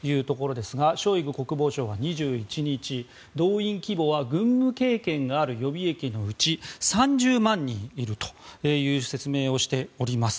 ショイグ国防相は２１日動員規模は軍務経験がある予備役のうち３０万人いるという説明をしております。